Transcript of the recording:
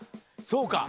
そうか。